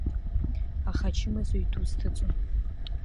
Аха ачымазаҩ дусҭаӡом.